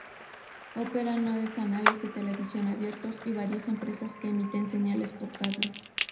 Operan nueve canales de televisión abiertos y varias empresas que emiten señales por cable.